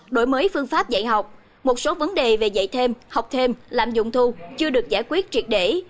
đổi mới phương pháp dạy học một số vấn đề về dạy thêm học thêm làm dụng thu chưa được giải quyết triệt để